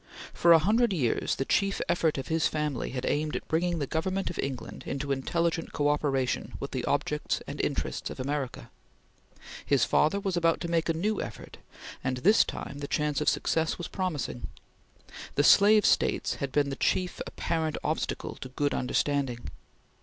For a hundred years the chief effort of his family had aimed at bringing the Government of England into intelligent cooperation with the objects and interests of America. His father was about to make a new effort, and this time the chance of success was promising. The slave States had been the chief apparent obstacle to good understanding.